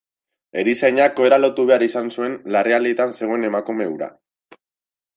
Erizainak ohera lotu behar izan zuen larrialdietan zegoen emakume hura.